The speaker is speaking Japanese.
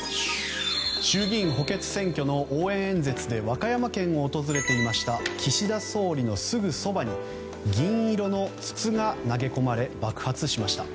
衆議院補欠選挙の応援演説で和歌山県を訪れていた岸田総理のすぐそばに銀色の筒が投げ込まれ爆発しました。